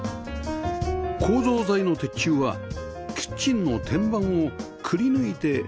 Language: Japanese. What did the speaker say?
構造材の鉄柱はキッチンの天板をくり抜いて立てられました